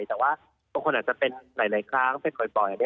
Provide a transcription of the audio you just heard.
แต่ว่าบางคนอาจจะเป็นหลายครั้งเป็นบ่อย